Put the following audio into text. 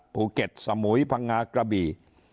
ภูเก็ตสมุยพังงากระบี่